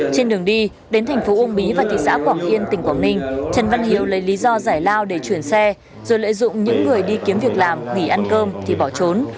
trên đường đi đến thành phố uông bí và thị xã quảng yên tỉnh quảng ninh trần văn hiếu lấy lý do giải lao để chuyển xe rồi lợi dụng những người đi kiếm việc làm nghỉ ăn cơm thì bỏ trốn